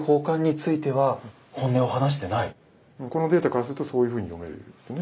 このデータからするとそういうふうに読めるんですね。